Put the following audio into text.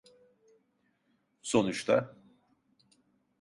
Sonuçta…